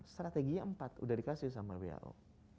strategi empat sudah dikasih oleh who